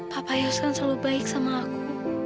papa ayos kan selalu baik sama aku